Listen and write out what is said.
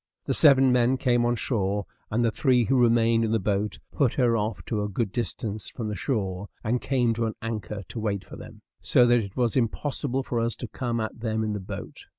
The seven men came on shore, and the three who remained in the boat put her off to a good distance from the shore, and came to an anchor to wait for them; so that it was impossible for us to come at them in the boat.